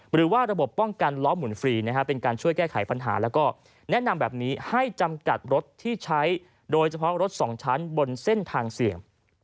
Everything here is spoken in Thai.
หรือว่าระบบป้องกันล้อหมุนฟรีเป็นการช่วยแก้ไขปัญหาแล้วก็แนะนำแบบนี้ให้จำกัดรถที่ใช้โดยเฉพาะรถสองชั้นบนเส้นทางเสี่ยง